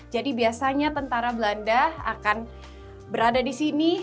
jadi biasanya tentara belanda akan berada disini